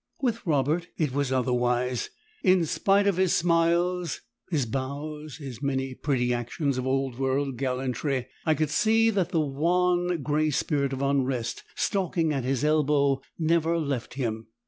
With Robert it was otherwise; in spite of his smiles, his bows, his many pretty actions of old world gallantry, I could see that the wan, grey spirit of unrest stalking at his elbow never left him.